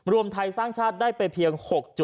รวมไทยสร้างชาติได้ไปเพียง๖๗